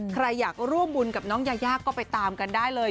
ใครอยากร่วมบุญกับน้องยายาก็ไปตามกันได้เลย